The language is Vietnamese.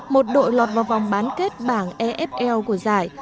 một đội lọt vào vòng bán kết bảng efl của giải